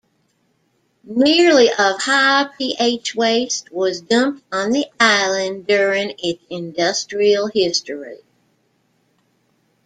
Nearly of high-pH waste was dumped on the island during its industrial history.